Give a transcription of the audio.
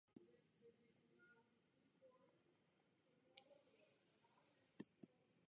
She is best known for her novel "A Woman called En".